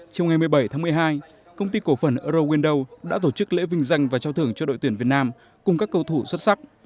chiều ngày một mươi bảy tháng một mươi hai công ty cổ phần eurowindow đã tổ chức lễ vinh danh và trao thưởng cho đội tuyển việt nam cùng các cầu thủ xuất sắc